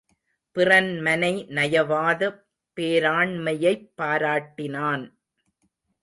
பிறன்மனை நயவாத பேராண்மையைப் பாராட்டினான்.